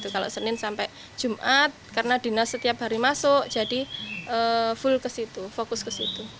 kalau senin sampai jumat karena dinas setiap hari masuk jadi fokus kesitu